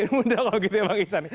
pensiun muda kalau begitu ya bang ijan